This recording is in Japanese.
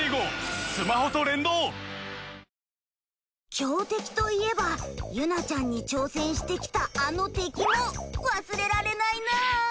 強敵といえばユナちゃんに挑戦してきたあの敵も忘れられないな。